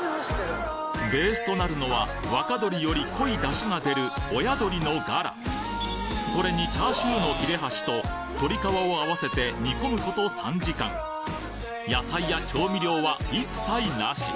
ベースとなるのは若鶏より濃い出汁が出るこれにチャーシューの切れ端と鶏皮を合わせて煮込むこと３時間野菜や調味料は一切なし！